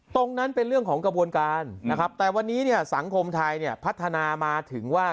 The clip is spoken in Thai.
ตรงนั้นเป็นเรื่องของกระบวนการนะครับแต่วันนี้เนี่ยสังคมไทยเนี่ยพัฒนามาถึงว่า